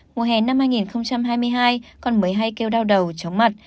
mùa hè năm hai nghìn hai mươi hai con mới hay kêu đau đầu chóng mặt